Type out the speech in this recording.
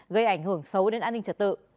gây ảnh hưởng xấu đến an ninh trật tự